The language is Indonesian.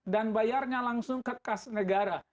dan bayarnya langsung kekas negara